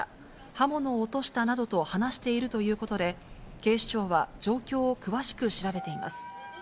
刃物を落としたなどと話しているということで、警視庁は状況を詳しく調べています。